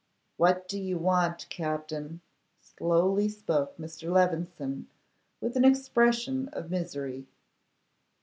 'What do you want, Captin?' slowly spoke Mr. Levison, with an expression of misery.